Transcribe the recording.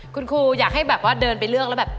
คุณครูอยากให้แบบว่าเดินไปเลือกแล้วแบบ